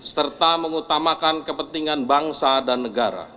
serta mengutamakan kepentingan bangsa dan negara